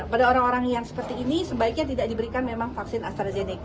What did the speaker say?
pada orang orang yang seperti ini sebaiknya tidak diberikan memang vaksin astrazeneca